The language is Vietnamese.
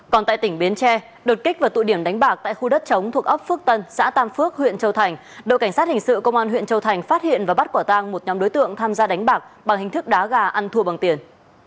còn tại tỉnh bến tre đột kích vào tụ điểm đánh bạc tại khu đất chống thuộc ấp phước tân xã tam phước huyện châu thành đội cảnh sát hình sự công an huyện châu thành phát hiện và bắt quả tang một nhóm đối tượng tham gia đánh bạc bằng hình thức đá gà ăn thua bằng tiền